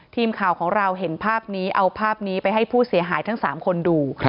ทีมข่าวของเราเห็นภาพนี้เอาภาพนี้ไปให้ผู้เสียหายทั้ง๓คนดู